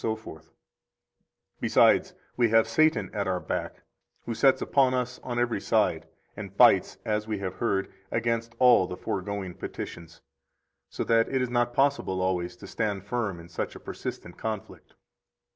87 Besides, we have Satan at our back, who sets upon us on every side, and fights (as we have heard) against all the foregoing petitions, so that it is not possible always to stand firm in such a persistent conflict.